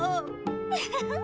ウフフフ